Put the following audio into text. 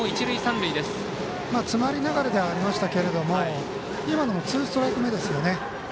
詰まりながらではありましたけど今のもツーストライク目ですよね。